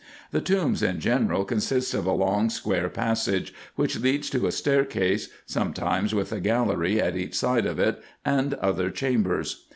The tombs in general consist of a long square passage, which leads to a staircase, sometimes with a gallery at each side of it, and other chambers.